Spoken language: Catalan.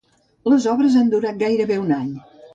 Les obres han durat gairebé un any.